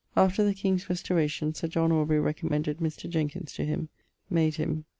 After the king's restauration Sir John Aubrey recommended Mr. Jenkins to him; made him.